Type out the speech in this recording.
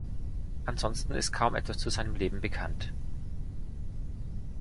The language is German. Ansonsten ist kaum etwas zu seinem Leben bekannt.